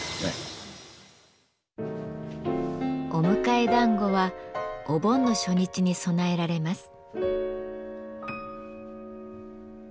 お迎え団子はお盆の初日に供えられます。